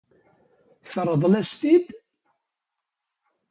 Teṛḍel-as-t-id?